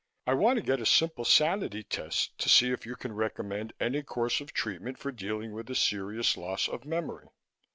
I want to get a simple sanity test and see if you can recommend any course of treatment for dealing with a serious loss of memory."